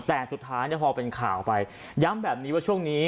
แต่สุดท้ายพอเป็นข่าวไปย้ำแบบนี้ว่าช่วงนี้